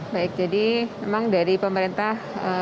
baik jadi memang dari pemerintah